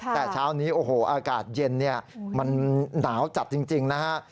แต่เช้านี้อากาศเย็นมันหนาวจัดจริงนะฮะ